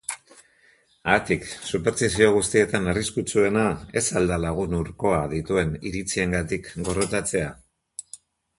Haatik, superstizio guztietan arriskutsuena ez al da lagun hurkoa dituen iritziengatik gorrotatzea?